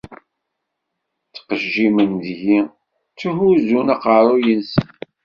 Ttqejjimen deg-i, tthuzzun aqerru-nsen.